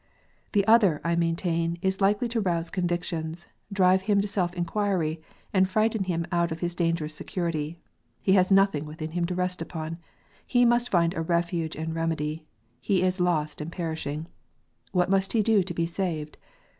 The other, I maintain, is likely to rouse convictions, drive him to self inquiry, and frighten him out of his dangerous security : he has nothing within him to rest upon, he must find a refuge and remedy, he is lost and perishing, what must he do to be saved